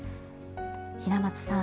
平松さん